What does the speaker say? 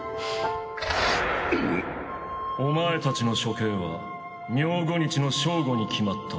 お前たちの処刑は明後日の正午に決まった。